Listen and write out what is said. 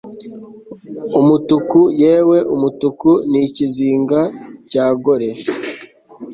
Umutuku yewe umutuku ni ikizinga cya gore